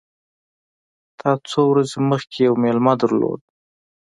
تا څو ورځي مخکي یو مېلمه درلود !